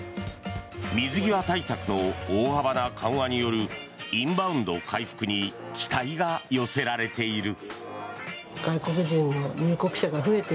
水際対策の大幅な緩和によるインバウンド回復に期待が寄せられている。